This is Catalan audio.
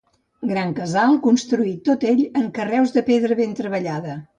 Gran casal construït tot ell en carreus de pedra ben treballada.